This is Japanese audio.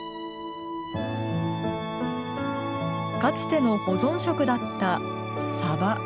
かつての保存食だった。